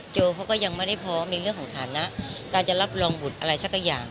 โจก็ยังไม่พร้อมในขณะการจะรับรองบทอะไรสักอย่าง